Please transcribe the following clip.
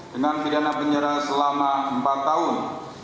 dengan pidana penjara selama empat tahun